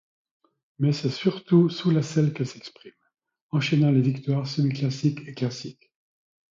Mais c'est surtout sous la selle qu'elle s'exprime, enchaînant les victoires semi-classiques et classiques.